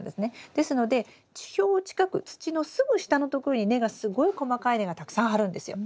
ですので地表近く土のすぐ下のところに根がすごい細かい根がたくさん張るんですよ。